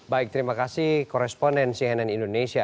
baik terima kasih koresponden cnn indonesia